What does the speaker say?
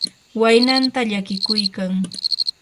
waynanta llakiykuykan.